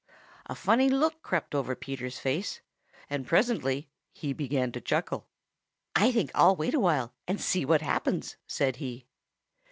A funny look crept over Peter's face, and presently he began to chuckle. "I think I'll wait awhile and see what happens," said he.